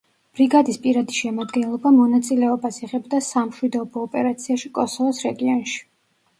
ბრიგადის პირადი შემადგენლობა მონაწილეობას იღებდა სამშვიდობო ოპერაციაში კოსოვოს რეგიონში.